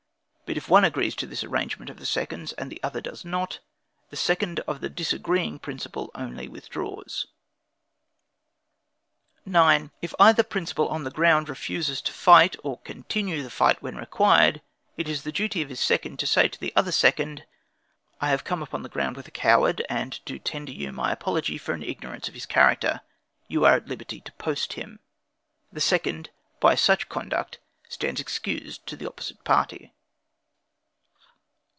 But if one agrees to this arrangement of the seconds, and the other does not, the second of the disagreeing principal only withdraws. 9. If either principal on the ground refuses to fight or continue the fight when required, it is the duty of his second to say to the other second: "I have come upon the ground with a coward, and do tender you my apology for an ignorance of his character; you are at liberty to post him." The second, by such conduct, stands excused to the opposite party.